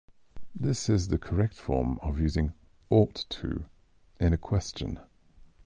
This is the correct form of using "ought to" in a question.